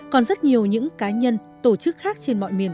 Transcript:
còn rất nhiều những cá nhân tổ chức khác trên mọi miền